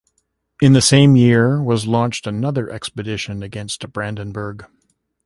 In the same year was launched another expedition against Brandenburg.